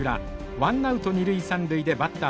ワンナウト二塁三塁でバッター